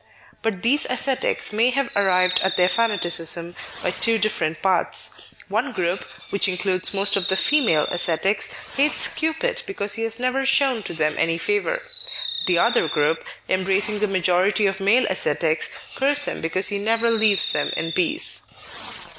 But these ascetics may have arrived at their fanaticism by two different paths. One group — which includes most of the female ascetics — hates Cupid because he has never shown to them any favour. The other group — embracing the majority of male ascetics — curse him because he never leaves them in peace.